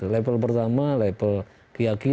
level pertama level keyakinan